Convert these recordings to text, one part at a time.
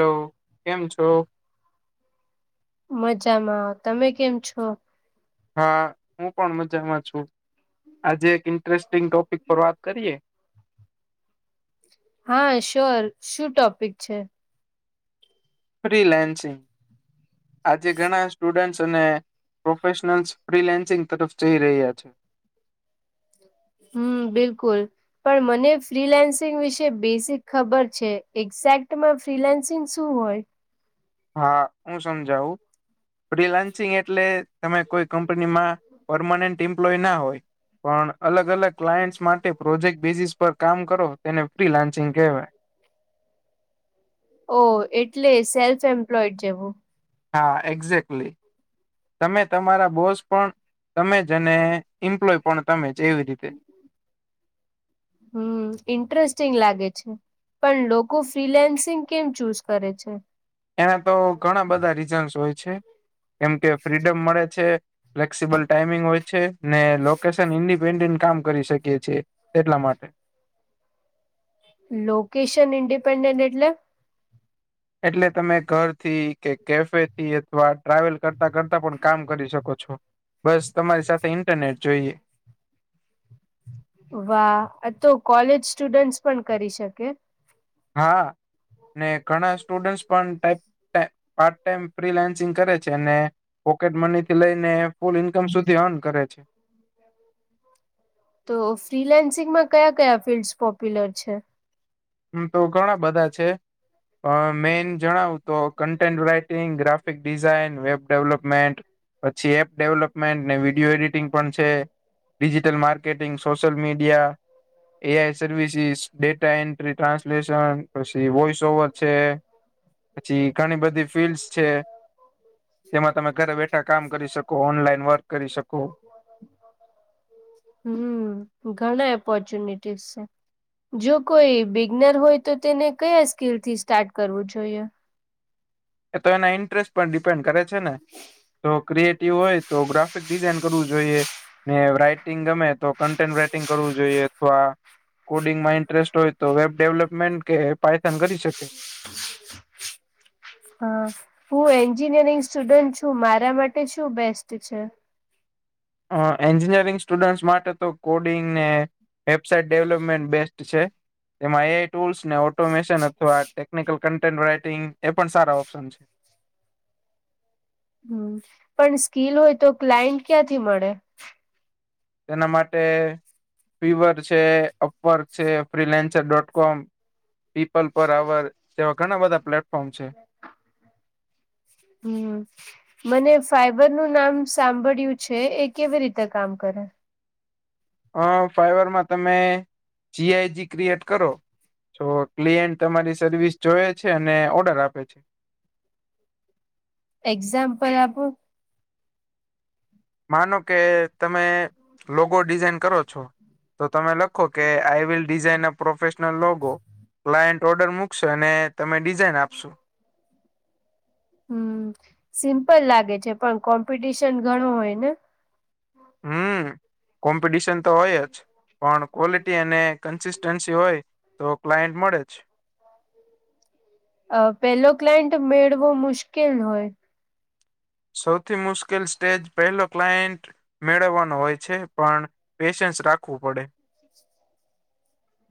હ કેમ છો. મજામાં તમે કેમ છો. હા હું પણ મજામાં છુ, આજે એક ઇન્ટરેસ્ટિંગ ટોપિક પર વાત કરીએ હા શ્યોર શું ટોપિક છે. ફ્રીલેન્સિંગ આજે ઘણા સ્ટુડન્ટસ અને પ્રોફેશનલ્સ ફ્રીલેન્સિંગ તરફ જઈ રહ્યા છે. હમ બિલકુલ પણ મને ફ્રીલેન્સિંગ વિશે બેસિક ખબર છે, એક્ઝેક્ટમાં ફ્રીલેન્સિંગ શું હોય. હા હુ સમજાવુ રિલાન્સિંગ એટલે તમે કોઈ કપનીમા પરમાનન્ટ એમ્પ્લોયના હોય. પણ અલગ અલગ ક્લાયન્ટ માટે પ્રોજેક્ટ બેઝિસ પર કામ કરો તેને ફ્રી લાન્ચિંગ કહેવાય ઓ એટલે સેલ્ફ એમ્પ્લોઈડ જેવુ હા એક્ઝેક્ટલી તમે તમારા બોસ પણ તમે જ અને ઇમ્પ્લોય પણ તમે જ એવી રીતે હમ ઇન્ટરેસ્ટિંગ લાગે છે. પણ લોકો ફ્રીલેન્સિંગ કેમ ચૂઝ કરે છે. એના તો ઘણા બધા રીઝન્સ હોય છે કેમ કે ફ્રીડમ મળે છે. ફ્લેક્સિબલ ટાઈમિંગ હોય છે ને લોકેશન ઇની [unintelligible] કામ કરી શકીએ છીએ એટલા માટે લોકેશન ઇન્ડિપેન્ડેન્ટ એટલે એટલે તમે ઘરથી કે કેફેથી અથવા ટ્રાવેલ કરતા કરતા પણ કામ કરી શકો છો. બસ તમારી સાથે ઇન્ટરનેટ જોઈએ. વાહ અ તો કોલેજ સ્ટુડન્ટ પણ કરી શકે. હા ને ઘણા સ્ટુડન્ટસ પણ ટાઈપ પાર્ટ ટાઈમ ફ્રીલાન્સિંગ કરે છે અને પોકેટ મની થી લઈને ફૂલ ઈન્કમ સુધી અર્ન કરે છે. [inaudible] તો ફ્રીલેન્સિંગમાં કયા કયા ફિલ્ડસ પોપ્યુલર છે. ઓમ તો ઘણા બધા છે. અ મેઈન જણાવું તો content writing, graphic design, web development પછી એપ ડેવલપમેન્ટ ને વિડીયો એડિટિંગ પણ છે digital marketing social media A. I. Services data and translation પછી વોઇસ ઓવર છે. પછી ઘણી બધી ફિલ્ડસ છે. તેમાં તમે ઘરે બેઠા કામ કરી શકો ઓનલાઈન વર્ક કરી શકો. હમ્મ ઘણા ઓપોર્ચુનિટીસ છે જો કોઈ બિગનર હોય તો તેને કયા સ્કીલ થી સ્ટાર્ટ કરવું જોઈએ. એ તો એના ઇન્ટરેસ્ટ પણ ડિપેન્ડ કરે છે ને તો ક્રિએટિવ હોય તો ગ્રાફિક ડિઝાઇન કરવું જોઈએ. ને રાઈટિંગ ગમે તો કન્ટેન્ટ રાઈટિંગ કરવું જોઈએ અથવા કોડિંગમાં ઇન્ટરેસ્ટ હોય તો વેબ ડેવલપમેન્ટ કે પાયથન કરી શકે હા હું એન્જિનિયરિંગ સ્ટુડન્ટ છું મારા માટે શું બેસ્ટ છે. અ એન્જિનિયરિંગ સ્ટુડન્ટ માટે તો કોડિંગ ને વેબસાઇટ ડેવલપમેન્ટ બેસ્ટ છે એમાં એ. આઈ. ટુલ્સ ને ઓ ટોમેશન અથવા ટેકનિકલ કન્ટેન્ટ રાઈટિંગ એ પણ સારા ઓપ્શન છે. હમ્મ પણ સ્કીલ હોય તો ક્લાયન્ટ ક્યાંથી મળે. તેના માટે પીવર છે અપવર્ક છે ફ્રીલેન્સર ડોટ કોમ પીપલ પર અવર એવા ઘણા બધા પ્લેટફોર્મ છે. હમ્મ. મને ફાઈબર નું નામ સાંભળયું છે એ કેવી રીતે કામ કરે. અ ફાઈબર માં તમે જી. આઈ. જી. ક્રિએટ કરો જો ક્લીએન્ટ તમારી સર્વિસ જોએ છે અને ઓર્ડર આપે છે. એક્ઝામ્પલ આપોન માનો કે તમે લોગો ડિઝાઈન કરો છો તો તમે લખો કે I will design a professional logo client order મૂકશે અને તમે ડિઝાઇન આપશો હમ્મ સિમ્પલ લાગે છે પણ કોમ્પિટિશન ઘણું હોય ને. હમ્મ કોમ્પિટિશન તો હોય જ. પણ ક્વોલિટી અને કન્સિસ્ટન્સી હોય તો ક્લાયન્ટ મળે જ. અ પેલો ક્લાયન્ટ મેળવો મુશ્કેલ હોય. સૌથી મુશ્કેલ સ્ટેજ પહેલો ક્લાયન્ટ મેળવવાનો હોય છે પણ પેશન્સ રાખવું પડે.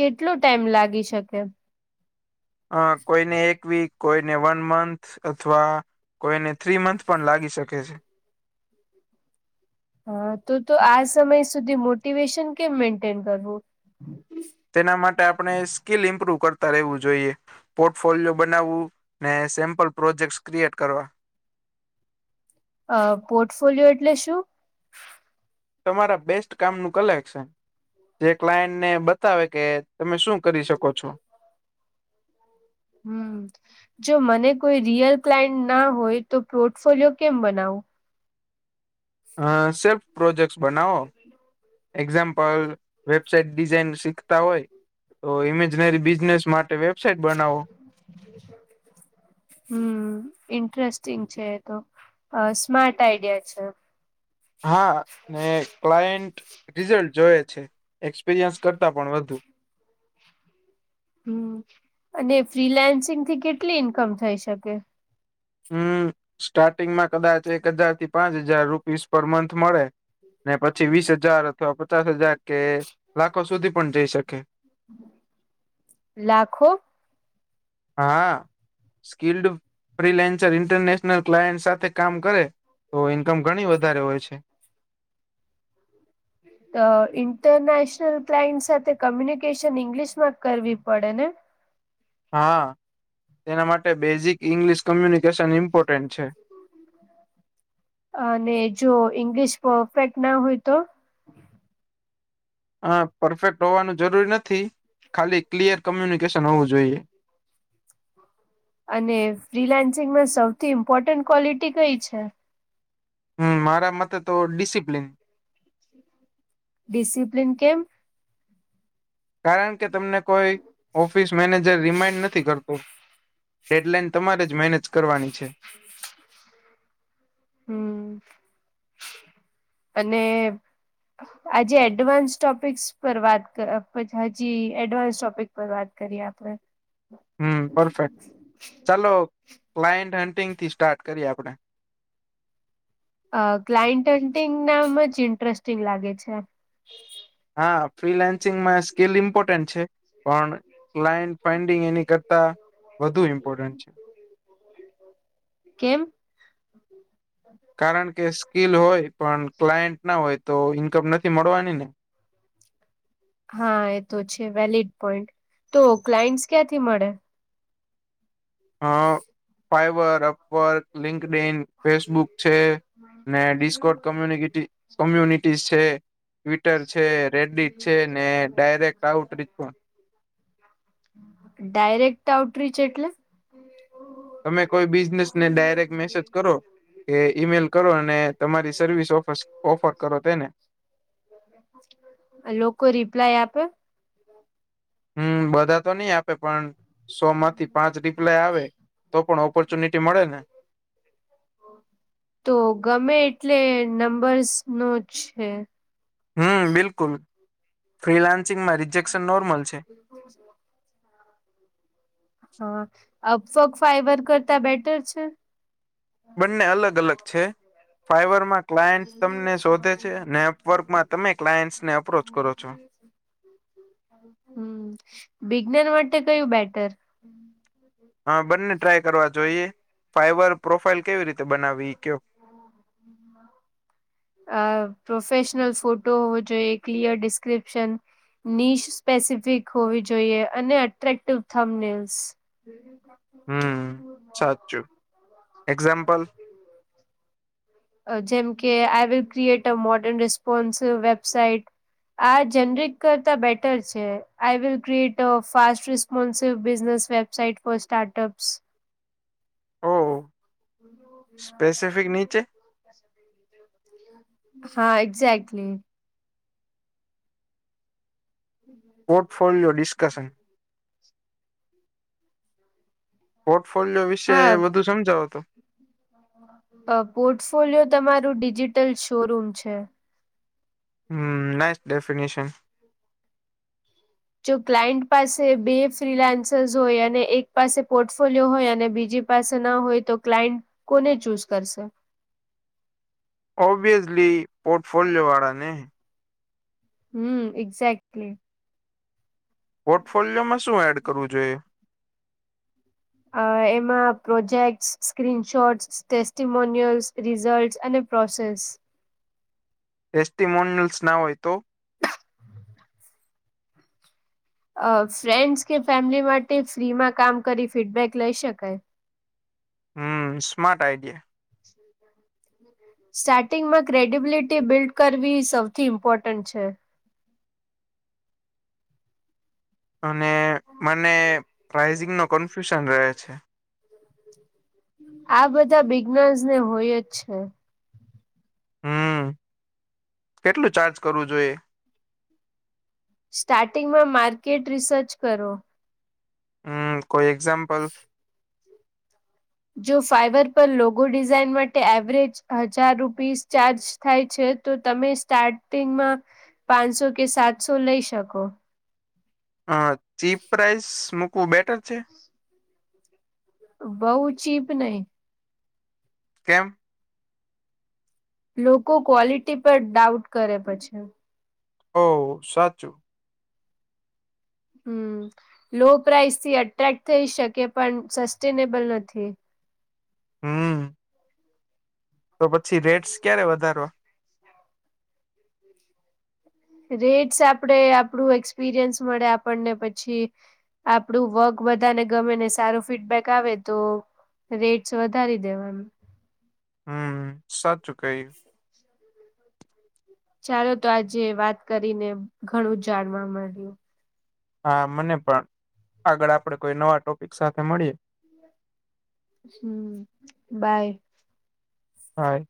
કેટલો ટાઈમ લાગી શકે અ કોઈને એક વીક કોઈને વન મંથ અથવા કોઈને થ્રી મંથ પણ લાગી શકે છે. હા તો તો આ સમય સુધી મોટિવેશન કેમ મેન્ટેન કરવું તેના માટે આપણે સ્કીિલ ઇમ્પ્રુવ કરતા રહેવું જોઈએ પોર્ટફોલિયો બનાવવું ને સેમ્પલ પ્રોજેક્ટ ક્રિએટ કરવા અ પોર્ટફોલિયો એટલે શું તમારા બેસ્ટ કામ નું કલેક્શન જે ક્લાયન્ટને બતાવે કે તમે શું કરી શકો છો હમ જો મને કોઈ રિયલ ક્લાયન્ટ ના હોય તો પોર્ટફોલિયો કેમ બનાવું હ સેલ્ફ પ્રોજેક્ટ બનાઓ એક્ઝામ્પલ વેબસાઇટ ડિઝાઇન શીખતા હોય તો ઇમેજનરી બિઝનેસ માટે વેબસાઇટ બનાવો [inaudible] હમ ઇન્ટરેસ્ટિંગ છે તો સ્માર્ટ આઈડિયા છે હા ને ક્લાયન્ટ રિઝલ્ટ જોય છે એક્સપિરિયન્સ કરતા પણ વધુ હમ અને ફ્રીલાન્સિંગ થી કેટલી ઈન્કમ થઈ શકે હમ સ્ટાર્ટિંગમાં કદાચ એક હજાર થી પાંચ હજાર રૂપીસ પર મંથ મળે ને પછી વીસ હજાર અથવા પચાસ હજાર કે લાખો સુધી પણ જઈ શકે લાખો હા સ્કિલ્ડ ફ્રીલેન્સર ઇન્ટરનેશનલ ક્લાયન્ટ સાથે કામ કરે તો ઈન્કમ ઘણી વધારે હોય છે [inaudible] તો ઇન્ટરનેશનલ ક્લાઇન્ટ સાથે કોમ્યુનિકેશન ઇંગ્લિશ માં કરવી પડે ને હા તેના માટે બેઝિક ઇંગ્લિશ કોમ્યુનિકેશન ઇમ્પોર્ટન્ટ છે અને જો ઈંગ્લિશ પરફેક્ટ ના હોય તો અ પરફેક્ટ હોવાનું જરૂરી નથી ખાલી ક્લિયર કોમ્યુનિકેશન હોવું જોઈએ અને ફ્રીલાન્સિંગમાં સૌથી ઇમ્પોર્ટન્ટ ક્વોલિટી કઈ છે હમ મારા મતે તો ડિસિપ્લિન ડિસિપ્લીન કેમ કારણ કે તમને કોઈ ઓફિસ મેનેજર રિમાઈન્ડ નથી કરતો ડેડલાઈન તમારે જ મેનેજ કરવાની છે [inaudible] હમ અને આજે એડવાન્સ ટોપિક્સ પર વાત કર હજી એડવાન્સ ટોપિક પર વાત કરીએ આપણે [inaudible] હમ પરફેક્ટ ચાલો ક્લાયન્ટ હન્ટિંગ થી સ્ટાર્ટ કરીએ આપણે અ ક્લાયન્ટન્ટિંગ નામ જ ઇન્ટરેસ્ટિંગ લાગે છે હા ફ્રીલાન્સિંગમાં સ્કીલ ઇમ્પોર્ટન્ટ છે પણ ક્લાયન્ટ ફન્ડિંગ એની કરતા વધુ ઇમ્પોર્ટન્ટ છે કેમ કારણ કે સ્કીિલ હોય પણ ક્લાયન્ટ ના હોય તો ઈન્કમ નથી મળવાની ને હા એ તો છે વેલીિડ પોઈન્ટ તો ક્લાયન્ટ ક્યાંથી મળે હ Fiverr Upwork LinkedIn Facebook છે ને ડિસ્કોટ કોમ્યુનિટી કોમ્યુનિટી છે ટ્વિટર છે રેડડીત છે ને ડાયરેક્ટ આઉટરીચ પણ ડાયરેક્ટ આઉટરીચ એટલે તમે કોઈ બિઝનેસ ને ડાયરેક્ટ મેસેજ કરો કે ઈમેલ કરો અને તમારી સર્વિસ ઓફ ઓફર કરો તેને લોકો રિપ્લાય આપે [inaudible] હમ બધા તો નહી આપે પણ સો માંથી પાંચ રિપ્લાય આવે તો પણ ઓપોર્ચ્યનિટી મળે ને તો ગમે એટલે નંબર્સ નો જ છે હમ બિલકુલ ફ્રીલાન્સિંગમાં રિજેક્શન નોર્મલ છે [inaudible] હા આ સોંગ ફાઈબર કરતા બેટર છે. બંને અલગ અલગ છે ફાઈબરમાં ક્લાયન્ટ તમને શોધે છે નેટવર્કમાં તમે ક્લાયન્ટસને અપ્રોચ કરો છો હમ બિગનર માટે કયું બેટર હા બંને ટ્રાય કરવા જોઈએ ફાઈબર પ્રોફાઈલ કેવી રીતે બનાવી ઈ કયો હમ હમ. [inaudible] અ પ્રોફેશનલ ફોટો જોઈએ ક્લિયર ડિસ્ક્રિપ્શન. નીશ સ્પેસિફિક હોવી જોઈએ અને એટ્રેક્ટિવ થમનેલ્સ. હમ સાચું એક્ઝામ્પલ. જેમ કે I will create a modern responsive website. આ જનરેટ કરતા બેટર છે I will create a fast ર. મુનસિફ બિઝનેસ વેબસાઇટ ફોર સ્ટાર્ટઅપ્સ. ઓ સ્પેસિફિક નીચે [inaudible] હા એક્ઝે્ટલી. કસમ. [unintelligible] પોર્ટફોલિયો વિશે હા વધુ સમજાવો તો. અ પોર્ટફોલિયો તમારું ડિજિટલ શોરૂમ છે. હમ નાઈસ ડેફિનેશન. જો ક્લાયન્ટ પાસે બે ફ્રીલાન્સસ હોય અને એક પાસે પોર્ટફોલિયો હોય અને બીજી. પાસે ના હોય તો ક્લાયન્ટ કોને ચૂઝ કરશે. ઓબવિયસલી પોર્ટફોલિયો વાળા ને. હમ એક્ઝેક્ટલી. પોર્ટફોલિયોમાં શું એડ કરવું જોઈએ. અ એમાં project screen shots testimonials result અને. પ્રોસેસ. એસ ટી મોન્યલ્સ ના હોયતો તો. અ ફ્રેન્ડ્સ કે ફેમિલી માટે ફ્રીમાં કામ કરી ફીડબેક લઈ શકાય. હમ સ્માટ આઈડિયા. શી. [inaudible] સ્ટાર્ટિંગમાં ક્રેડિબિલિટી બિલ્ડ કરવી સૌથી ઇમ્પોર્ટન્ટ છે. અને મને પ્રાઇઝિંગ નો કન્ફ્યુઝન રહે છે. આ બધા બિગ નર્સ ને હોયજ છે. હમ કેટલું ચાર્જ કરવું જોઈએ. સ્ટાર્ટિંગમાં માર્કેટ રિસર્ચ કરો. હ કોઈ એક્ઝામ્પલ. જો ફાઈબર પર લોગો ડિઝઇન માટે એવરેજ હજાર રૂપીસ ચાર્જ. થાય છે તો તમે સ્ટાર્ટિંગમાં પાંચસો કે સાતસો લઈ શકો. હ ચીપ પ્રાઇસ મૂકવું બેટર છે. બઉ ચીપ નઈ. કેમ. લોકો ક્વોલિટી પર ડાઉટ કરે પછી. ઓહ સાચું. હ લો પ્રાઇસ થી અટ્રેક્ટ થઈ શકે પણ સસ્ટેનેબલ નથી. હમ. તો પછી રેટસ ક્યારે વધારવા. રેટ્સ આપણેે આપડું એક્સપીરિયન્સ મળે આપણને પછી આપડું વર્ક બધાને ગમે ને સારુ ફીડબેક આવેતો રેટસ વધારી દેવાનુ હમ સાચું કહ ચાલો તો આજે વાત કરીને ઘણું જાણવા મળ્યુ હા મને પણ આગળ આપડે કોઈ નવા ટોપિક સાથે મળીએ હમ બાય હ.